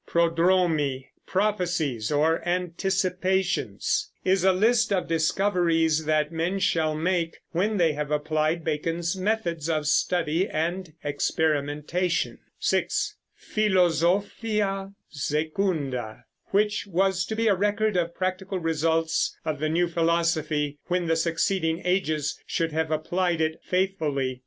Prodromi, "Prophecies or Anticipations," is a list of discoveries that men shall make when they have applied Bacon's methods of study and experimentation. 6. Philosophia Secunda, which was to be a record of practical results of the new philosophy when the succeeding ages should have applied it faithfully.